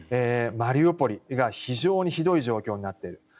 マリウポリが非常にひどい状況になっている。